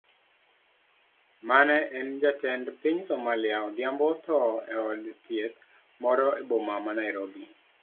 Mane en jatend piny Somalia Odhiambo otho eod thieth moro eboma ma Nairobi.